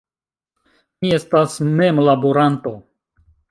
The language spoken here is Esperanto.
Mi estas memlaboranto.